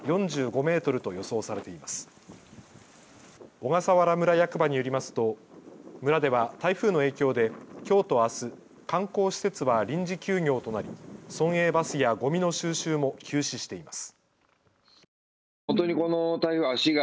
小笠原村役場によりますと村では台風の影響できょうとあす、観光施設は臨時休業となり村営バスやごみの収集も休止しています。